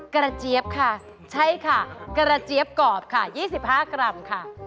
เจี๊ยบค่ะใช่ค่ะกระเจี๊ยบกรอบค่ะ๒๕กรัมค่ะ